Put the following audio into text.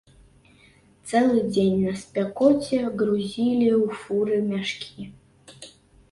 Цэлы дзень на спякоце грузілі ў фуры мяшкі.